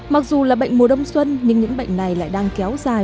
mặc dù là bệnh mùa đông xuân nhưng những bệnh này lại đang kéo dài